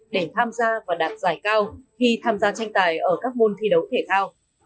để tham gia và đạt giải cao khi tham gia tranh tài ở các môn thi đấu thể thao